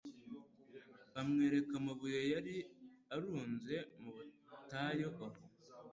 Amwereka amabuye yari aruruze mu butayu aho,